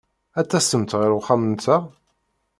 Ad tasemt ɣer wexxam-nteɣ?